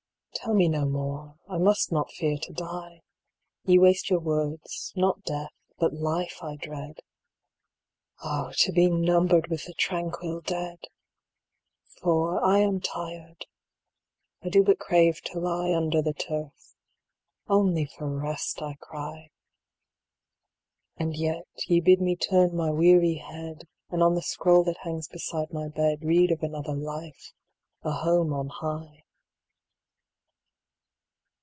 Tp:ll me no more, I must not fear to die ; Ye waste your words ; not death, but life I dread : Oh, to be numbered with the tranquil dead ! For I am tired ; I do but crave to lie Under the turf ; only for rest I cry ; And yet ye bid me turn my weary head. And on the scroll that hangs beside my bed Read of another life, a home on high.